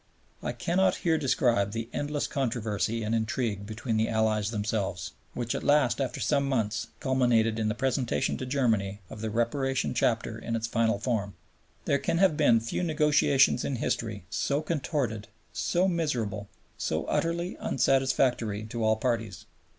I cannot here describe the endless controversy and intrigue between the Allies themselves, which at last after some months culminated in the presentation to Germany of the Reparation Chapter in its final form. There can have been few negotiations in history so contorted, so miserable, so utterly unsatisfactory to all parties.